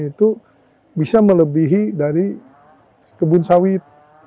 itu bisa melebihi dari kebun sawit